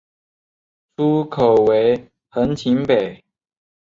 出口为横琴北。